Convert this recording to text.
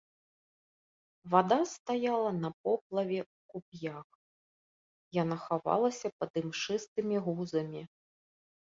Вада стаяла на поплаве ў куп'ях, яна хавалася пад імшыстымі гузамі.